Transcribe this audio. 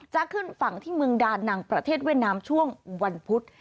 จะขึ้นฝั่งที่เมืองดานังประเทศเวียดนามช่วงวันพุธ